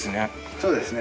そうですね。